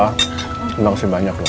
terima kasih banyak loh